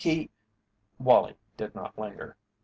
He " Wallie did not linger.